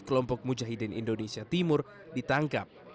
kelompok mujahidin indonesia timur ditangkap